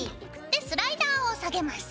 ＯＫ！でスライダーを下げます。